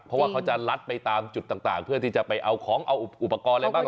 เพราะว่าเขาจะลัดไปตามจุดต่างเพื่อที่จะไปเอาของเอาอุปกรณ์อะไรบ้าง